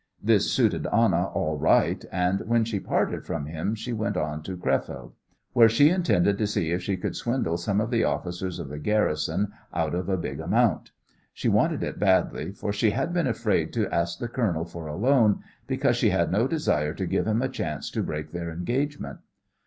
This suited Anna all right, and when she parted from him she went on to Crefeld, where she intended to see if she could swindle some of the officers of the garrison out of a big amount. She wanted it badly, for she had been afraid to ask the colonel for a loan, because she had no desire to give him a chance to break their engagement.